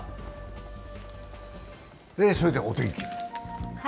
それではお天気です。